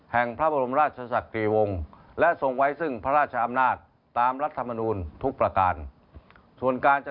แห่งพระบรมราชศักยวงศ์และทรงไว้ซึ่งพระราชอำนาจตามรัฐมนูลทุกประการส่วนการจะ